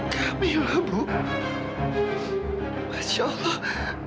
kamilah bu masya allah